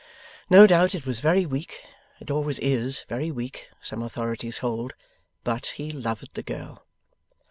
No doubt it was very weak it always IS very weak, some authorities hold but he loved the girl.